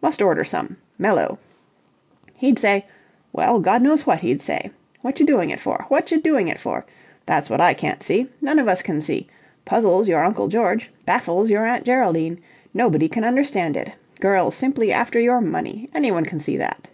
"Must order some. Mellow. He'd say... well, God knows what he'd say. Whatch doing it for? Whatch doing it for? That's what I can't see. None of us can see. Puzzles your uncle George. Baffles your aunt Geraldine. Nobody can understand it. Girl's simply after your money. Anyone can see that."